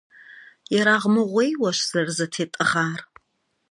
Ерагъмыгъуейуэщ зэрызэтетӀыгъар.